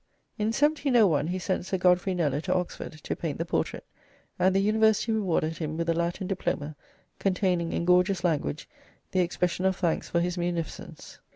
In 1701 he sent Sir Godfrey Kneller to Oxford to paint the portrait, and the University rewarded him with a Latin diploma containing in gorgeous language the expression of thanks for his munificence.'